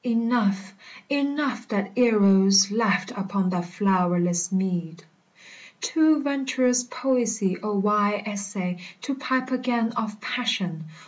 Enough, enough that Eros laughed upon that flower less mead. Too venturous poesy O why essay To pipe again of passion